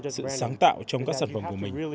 sự sáng tạo trong các sản phẩm của mình